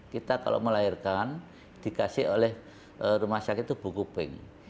kita kalau melahirkan dikasih oleh rumah sakit itu buku ping